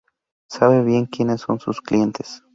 sabe bien quiénes son sus clientes